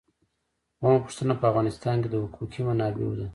اوومه پوښتنه په افغانستان کې د حقوقي منابعو ده.